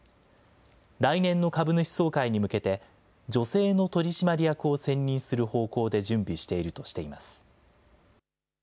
来年の株主総会に向けて、女性の取締役を選任する方向で準備しているとしています。